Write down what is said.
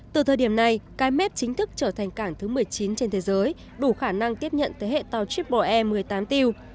từ thời điểm này cái mép chính thức trở thành cảng thứ một mươi chín trên thế giới đủ khả năng tiếp nhận thế hệ tàu chip bỏ air một mươi tám tiêu